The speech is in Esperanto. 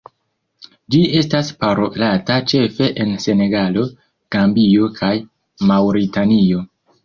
Ĝi estas parolata ĉefe en Senegalo, Gambio kaj Maŭritanio.